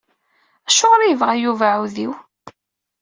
Acuɣer i yebɣa Yuba aɛudiw?